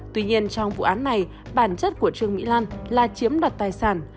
tuy nhiên trong vụ án này bản chất của trương mỹ lan là chiếm đoạt tài sản